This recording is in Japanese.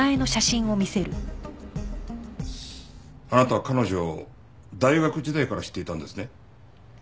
あなたは彼女を大学時代から知っていたんですね？